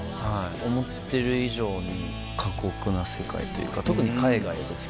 思ってる以上に過酷な世界というか特に海外ですけど。